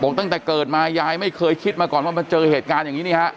ตั้งแต่เกิดมายายไม่เคยคิดมาก่อนว่ามาเจอเหตุการณ์อย่างนี้นี่ฮะ